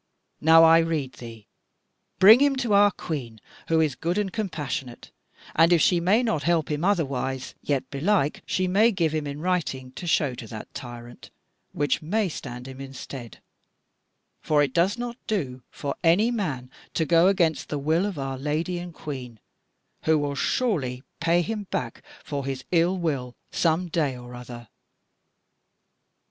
Now I rede thee bring him to our Queen, who is good and compassionate, and if she may not help him otherwise, yet belike she may give him in writing to show to that tyrant, which may stand him in stead: for it does not do for any man to go against the will of our Lady and Queen; who will surely pay him back for his ill will some day or other."